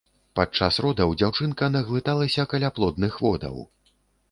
Падчас родаў дзяўчынка наглыталася каляплодных водаў.